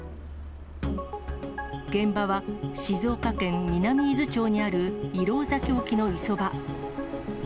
現場は静岡県南伊豆町にある石廊崎沖の磯場。